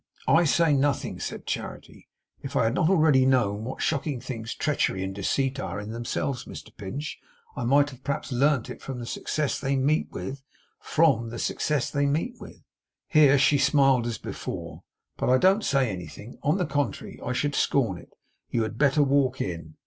'I say nothing,' said Charity. 'If I had not already known what shocking things treachery and deceit are in themselves, Mr Pinch, I might perhaps have learnt it from the success they meet with from the success they meet with.' Here she smiled as before. 'But I don't say anything. On the contrary, I should scorn it. You had better walk in!